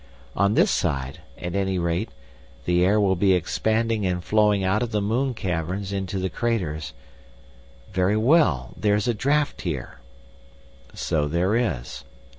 On this side, at any rate, the air will be expanding and flowing out of the moon caverns into the craters.... Very well, there's a draught here." "So there is."